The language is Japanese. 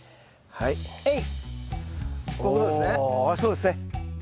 そうですね。